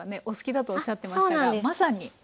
お好きだとおっしゃってましたがまさに。